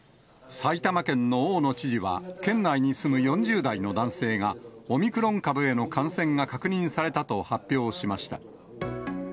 埼玉県の大野知事は、県内に住む４０代の男性が、オミクロン株への感染が確認されたと発表しました。